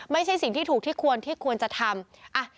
ไม่ใช่สิ่งที่ถูกที่ควรที่ควรจะทำ